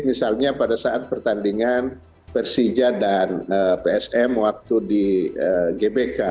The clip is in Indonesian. misalnya pada saat pertandingan persija dan psm waktu di gbk